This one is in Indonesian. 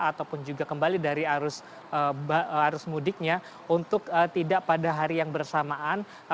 ataupun juga kembali dari arus mudiknya untuk tidak pada hari yang bersamaan